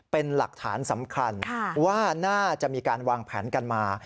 เป็นหลักฐานสำคัญว่าน่าจะมีการวางแผนกันมา